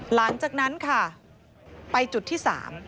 หลังจากนั้นค่ะไปจุดที่๓